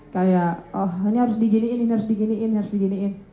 kayak oh ini harus diginiin ini harus diginiin harus diginiin